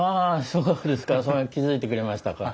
そうですかそれに気付いてくれましたか。